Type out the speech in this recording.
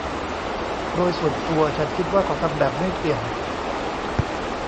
โดยส่วนตัวฉันคิดว่าเขาทำแบบไม่เสี่ยง